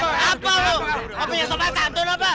apa lo kamu punya sama santun apa